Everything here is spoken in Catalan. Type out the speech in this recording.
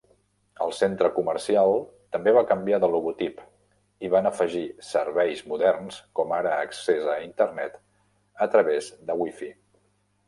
El centre comercial també va canviar de logotip i van afegir serveis moderns com ara accés a internet a través de wifi.